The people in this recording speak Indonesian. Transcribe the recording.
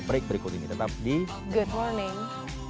break berikut ini tetap di good morning